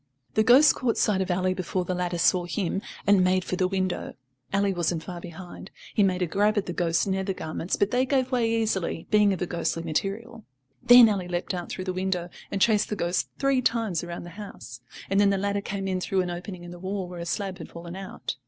The ghost caught sight of Ally before the latter saw him, and made for the window. Ally wasn't far behind; he made a grab at the ghost's nether garments, but they gave way easily, being of a ghostly material. Then Ally leapt out through the window and chased the ghost three times round the house, and then the latter came in through an opening in the wall where a slab had fallen out.